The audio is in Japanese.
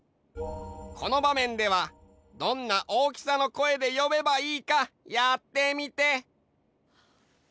このばめんではどんな大きさの声でよべばいいかやってみて。